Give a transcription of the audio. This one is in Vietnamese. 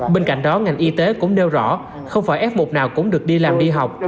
bên cạnh đó ngành y tế cũng nêu rõ không phải f một nào cũng được đi làm đi học